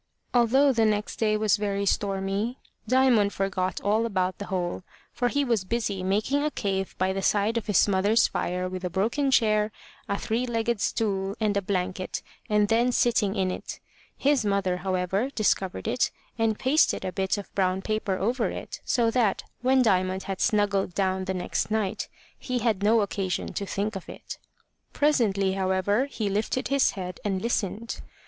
Although the next day was very stormy, Diamond forgot all about the hole, for he was busy making a cave by the side of his mother's fire with a broken chair, a three legged stool, and a blanket, and then sitting in it. His mother, however, discovered it, and pasted a bit of brown paper over it, so that, when Diamond had snuggled down the next night, he had no occasion to think of it. Presently, however, he lifted his head and listened.